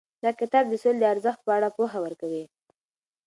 دا کتاب د سولې د ارزښت په اړه پوهه ورکوي.